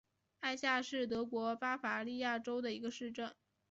艾夏是德国巴伐利亚州的一个市镇。